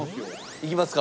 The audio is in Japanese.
いきますか。